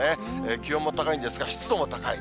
気温も高いんですが、湿度も高い。